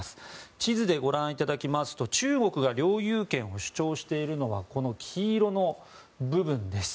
地図でご覧いただきますと中国が領有権を主張しているのがこの黄色の部分です。